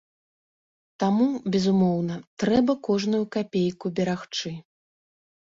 Таму безумоўна трэба кожную капейку берагчы.